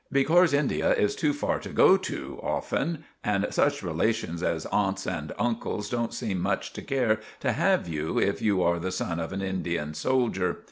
Becorse India is too far off to go to often, and such relations as aunts and uncles don't seem much to care to have you if you are the son of an Indian soldier.